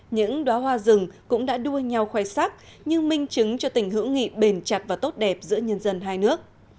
những đoá hoa rừng cũng đã đua nhau khoe sắc như minh chứng cho tình hữu nghị bền chặt và tốt đẹp giữa nhân dân hai nước